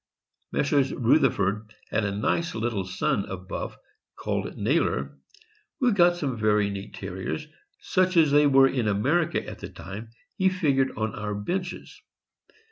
Messrs. Ruther furd had a nice little son of Buff, called Nailer, who got some very neat Terriers, such as they were in America at the time he figured on our benches.